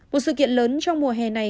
một sự kiện lớn trong mùa hè này